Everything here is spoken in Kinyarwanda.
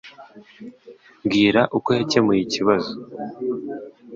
Mbwira uko wakemuye ikibazo.